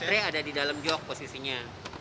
ini baterai ada di dalam jog posisinya